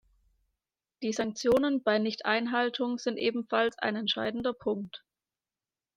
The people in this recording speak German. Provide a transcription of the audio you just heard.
Die Sanktionen bei Nichteinhaltung sind ebenfalls ein entscheidender Punkt.